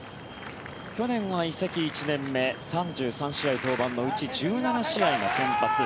去年は移籍１年目３３試合登板のうち１７試合が先発。